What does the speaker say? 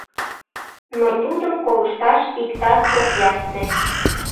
Но тудым колышташ иктат ок ярсе.